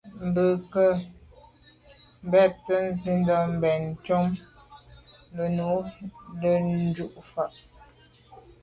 Be ke mbé’te nsindà ben njon lé’njù fa.